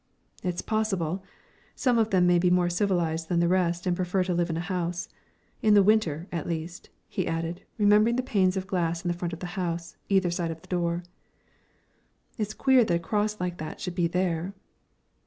"It's possible. Some of them may be more civilised than the rest and prefer to live in a house in the Winter, at least," he added, remembering the panes of glass in the front of the house, either side of the door. "It's queer that a cross like that should be there."